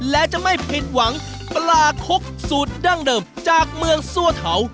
และจะไม่ผิดหวังปลาคุกสูตรดั้งเดิมจากเมืองซั่วเทา